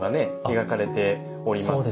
描かれておりますし。